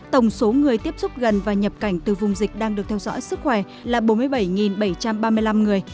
tổng số người tiếp xúc gần và nhập cảnh từ vùng dịch đang được theo dõi sức khỏe là bốn mươi bảy bảy trăm ba mươi năm người